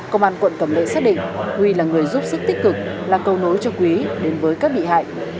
công an quận cẩm lệ xác định huy là người giúp sức tích cực là cầu nối cho quý đến với các bị hại